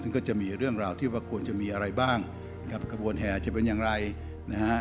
ซึ่งก็จะมีเรื่องราวที่ว่าควรจะมีอะไรบ้างครับกระบวนแห่จะเป็นอย่างไรนะฮะ